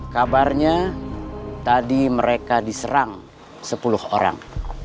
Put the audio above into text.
kabarnya tadi mereka diserang sepuluh orang